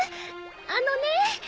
あのね。